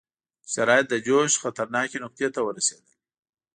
شرایط د جوش خطرناکې نقطې ته ورسېدل.